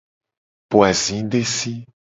Po azidesi.